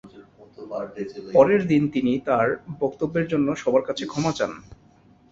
পরের দিন তিনি তার বক্তব্যের জন্য সবার কাছে ক্ষমা চান।